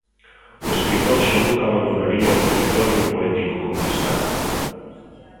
O escritor xa nunca abandonaría o territorio poético conquistado.